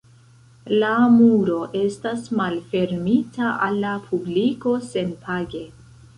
La muro estas malfermita al la publiko senpage.